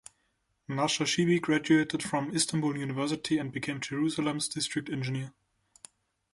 Nashashibi graduated from Istanbul University and became Jerusalem's District Engineer.